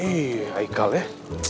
ih haikul ya